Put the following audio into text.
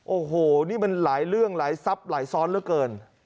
โอ้โหนี่มันหลายเรื่องหลายทรัพย์หลายซ้อนเหลือเกิน